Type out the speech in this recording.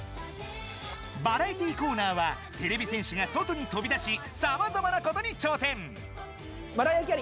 バラエティーコーナーはてれび戦士が外に飛び出しさまざまなことに挑戦！